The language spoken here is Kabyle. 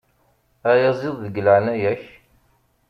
Ayaziḍ, deg leɛnaya-k.